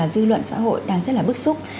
dư luận xã hội đang rất là bức xúc